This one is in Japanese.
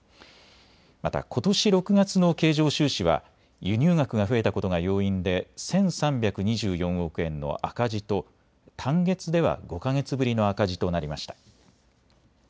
またことし６月の経常収支は輸入額が増えたことが要因で１３２４億円の赤字と単月では５か月ぶりの赤字となりました。